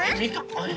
あれ。